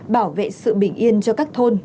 bảo vệ sự bình yên cho các thôn